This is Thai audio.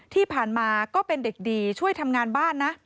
ที่ผ่านมาก็เป็นเด็กดีช่วยทำงานบ้านนะ